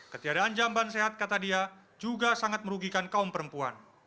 ketiadaan jamban sehat kata dia juga sangat merugikan kaum perempuan